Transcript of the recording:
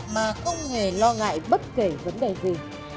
mà không hề lo ngại bất kể vấn đề gì